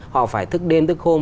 họ phải thức đêm thức hôm